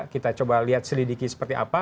kita coba lihat selidiki seperti apa